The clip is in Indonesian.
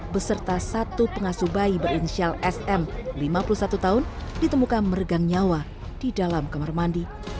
beserta satu pengasuh bayi berinisial sm lima puluh satu tahun ditemukan meregang nyawa di dalam kamar mandi